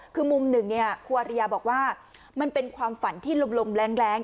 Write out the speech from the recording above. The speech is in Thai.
คือมุมหนึ่งครูอาริยาบอกว่ามันเป็นความฝันที่ลมแรง